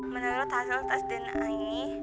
menurut hasil tes dna ini